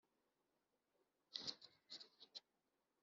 imumpoze ndi gushyaaaaaa!”